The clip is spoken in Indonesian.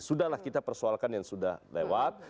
sudahlah kita persoalkan yang sudah lewat